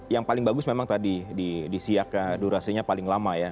yang paling bagus memang tadi di siak durasinya paling lama ya